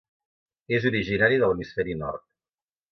És originari de l'hemisferi nord.